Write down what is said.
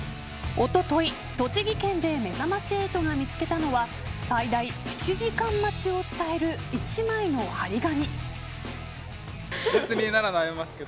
おととい、栃木県でめざまし８が見つけたのは最大７時間待ちを伝える１枚の張り紙。